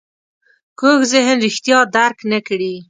کوږ ذهن رښتیا درک نه کړي